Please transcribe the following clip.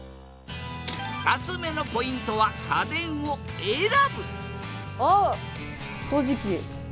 ２つ目のポイントは家電を選ぶあっ掃除機。